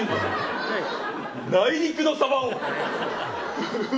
内陸のサバを？